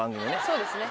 そうですね。